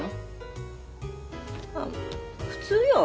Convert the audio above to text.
あ普通よ。